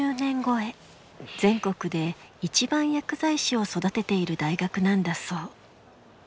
全国で一番薬剤師を育てている大学なんだそう。